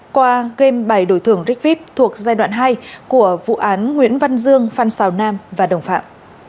qua game bài đổi thưởng rigvip thuộc giai đoạn hai của vụ án nguyễn văn dương phan xào nam và đồng phạm